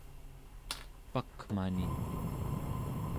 pakmani